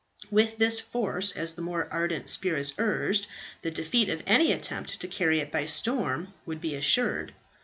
With this force, as the more ardent spirits urged, the defeat of any attempt to carry it by storm would be assured.